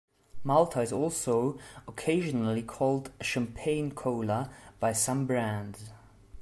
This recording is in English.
Malta is also occasionally called "champagne cola" by some brands.